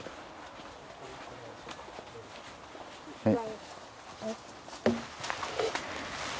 はい。